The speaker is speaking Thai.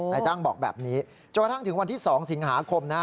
นายจ้างบอกแบบนี้จนกระทั่งถึงวันที่๒สิงหาคมนะ